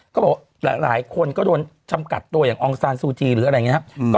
ก็บอกว่าหลายคนก็โดนจำกัดตัวอย่างอองซานซูจีหรืออะไรอย่างนี้ครับ